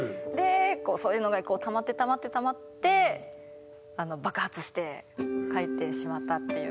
そういうのがたまってたまってたまって爆発して書いてしまったっていうところ。